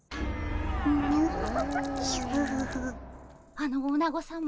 あのおなごさま